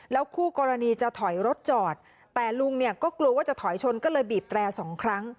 คู่กรณีจะถอยรถจอดแต่ลุงเนี่ยก็กลัวว่าจะถอยชนก็เลยบีบแตรสองครั้ง